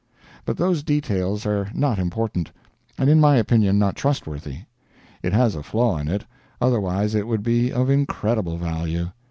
But those details are not important; and in my opinion not trustworthy. It has a flaw in it, otherwise it would be of incredible value.